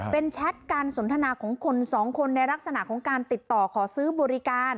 เป็นแชทการสนทนาของคนสองคนในลักษณะของการติดต่อขอซื้อบริการ